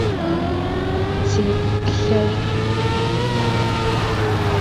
Теплъэшӏу иӏ.